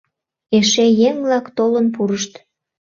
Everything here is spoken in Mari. Эше еҥ-влак толын пурышт.